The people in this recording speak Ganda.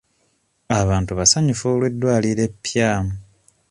Abantu basanyufu olw'eddwaliro eppya.